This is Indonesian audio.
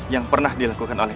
yang pernah dilakukan oleh